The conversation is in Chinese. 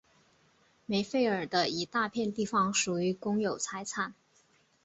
梅费尔的一大片地方属于公有财产。